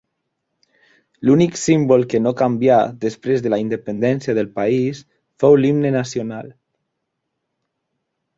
L'únic símbol que no canvià després de la independència del país fou l'himne nacional.